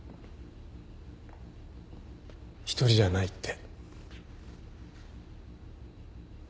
一人じゃないって。